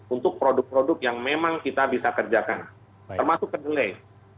untuk produk produk yang memang kita bisa kerjakan termasuk kedelai